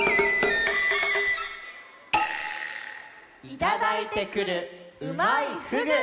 「いただいてくるうまいふぐ」！